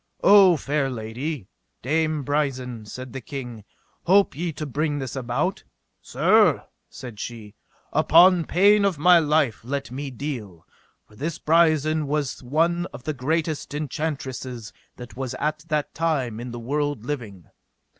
O fair lady, Dame Brisen, said the king, hope ye to bring this about? Sir, said she, upon pain of my life let me deal; for this Brisen was one of the greatest enchantresses that was at that time in the world living.